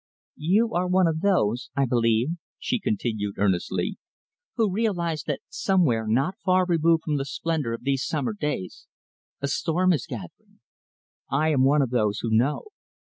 "You are one of those, I believe," she continued earnestly, "who realise that somewhere not far removed from the splendour of these summer days, a storm is gathering. I am one of those who know.